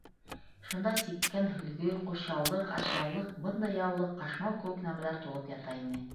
Шунда сиккән һөлгө, ҡушъяулыҡ, ашъяулыҡ, бындай яулыҡ, ҡашмау кеүек нәмәләр тулып ята ине.